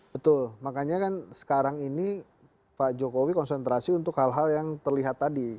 betul makanya kan sekarang ini pak jokowi konsentrasi untuk hal hal yang terlihat tadi